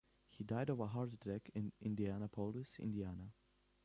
He died of a heart attack in Indianapolis, Indiana.